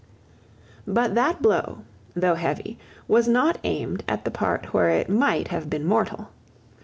But that blow, though heavy, was not aimed at the part where it might have been mortal.